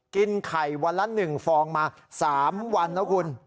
กินไข่วันละ๑ฟองมา๓วันแล้วคุณ